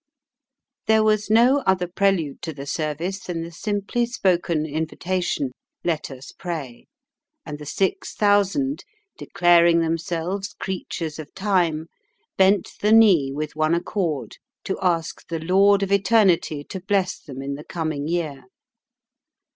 There was no other prelude to the service than the simply spoken invitation, "Let us pray," and the six thousand, declaring themselves "creatures of time," bent the knee with one accord to ask the "Lord of Eternity" to bless them in the coming year.